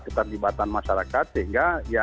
keterlibatan masyarakat sehingga